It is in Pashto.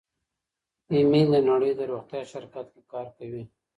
ایمي د نړۍ د روغتیا شرکت کې کار کوي.